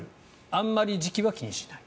あまり時期は気にしていない。